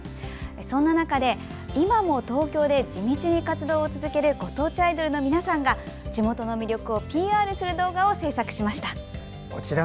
そんな中で今も東京で地道に活動を続けるご当地アイドルの皆さんが地元の魅力をＰＲする動画を制作しました。